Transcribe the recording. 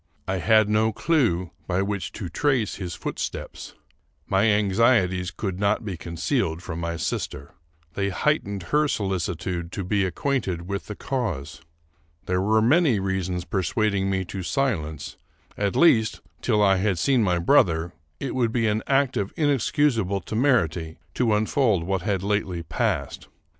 I had no clew by which to trace his footsteps. My anxieties could not be concealed from my sister. They heightened her solicitude to be acquainted with the cause. There were many reasons persuading me to silence; at least, till I had seen my brother, it would be an act of inexcusable temerity to unfold what had lately passed.